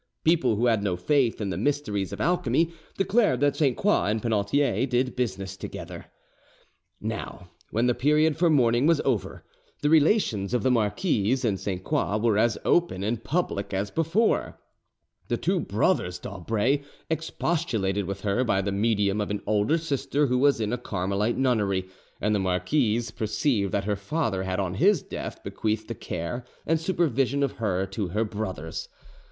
People who had no faith in the mysteries of alchemy declared that Sainte Croix and Penautier did business together. Now, when the period for mourning was over, the relations of the marquise and Sainte Croix were as open and public as before: the two brothers d'Aubray expostulated with her by the medium of an older sister who was in a Carmelite nunnery, and the marquise perceived that her father had on his death bequeathed the care and supervision of her to her brothers.